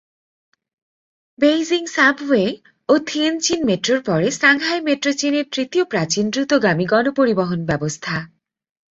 Beijing subway ও Tianjin মেট্রোর পরে সাংহাই মেট্রো চীনের তৃতীয় প্রাচীন দ্রুতগামী গণপরিবহন ব্যবস্থা।